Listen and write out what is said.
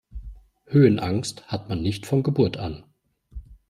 Höhenangst hat man nicht von Geburt an.